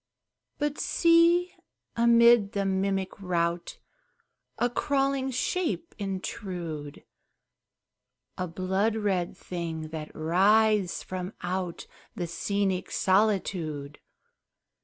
But see, amid the mimic rout A crawling shape intrude! A blood red thing that writhes from out The scenic solitude!